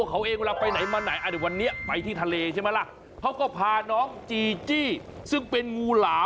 คนอะไรน้ำสกุลแป๊กแหละ